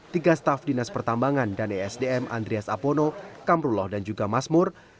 tiga staf dinas pertambangan dan esdm andreas apono kamrullah dan juga masmur